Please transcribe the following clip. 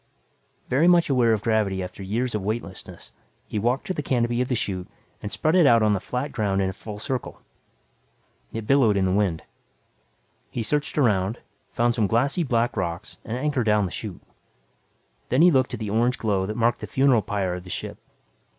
Very much aware of gravity after years of weightlessness, he walked to the canopy of the chute and spread it out on the flat ground in a full circle. It billowed in the wind. He searched around, found some glassy black rocks and anchored down the chute. Then he looked at the orange glow that marked the funeral pyre of the ship.